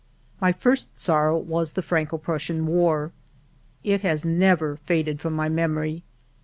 My first sorrow was the Franco Prussian War. It has never faded from my memory.